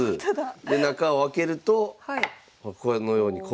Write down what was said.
で中を開けるとこのように駒が。